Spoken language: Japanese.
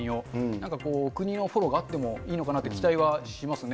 なんか国のフォローがあってもいいのかなって期待はしますね。